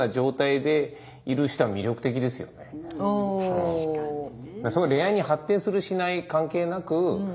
確かにね。